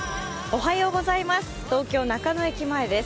東京・中野駅前です。